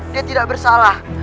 dia tidak bersalah